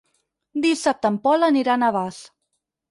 Dissabte en Pol anirà a Navàs.